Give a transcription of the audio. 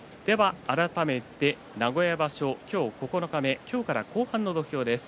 名古屋場所九日目今日から後半の土俵です。